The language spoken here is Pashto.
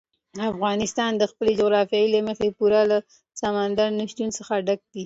افغانستان د خپلې جغرافیې له مخې پوره له سمندر نه شتون څخه ډک دی.